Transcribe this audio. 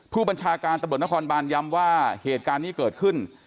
ผู้บัญชาการตำรวจนครบานย้ำว่าเหตุการณ์นี้เกิดขึ้น